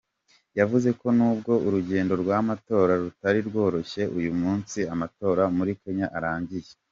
Yavuze ko nubwo urugendo rw’amatora rutari rworoshye uyu munsi amatora muri Kenya arangiye.